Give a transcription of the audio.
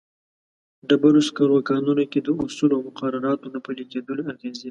ډبرو سکرو کانونو کې د اصولو او مقرراتو نه پلي کېدلو اغېزې.